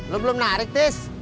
lo belum narik tis